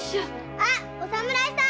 あっお侍さん！